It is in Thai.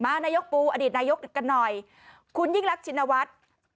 นายกปูอดีตนายกกันหน่อยคุณยิ่งรักชินวัฒน์